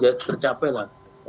jadi tercapai lah